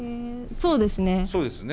そうですね。